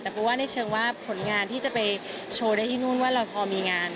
แต่เพราะว่าในเชิงว่าผลงานที่จะไปโชว์ได้ที่นู่นว่าเราพอมีงาน